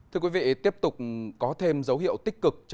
thưa quý vị tiếp tục có thêm dấu hiệu tích cực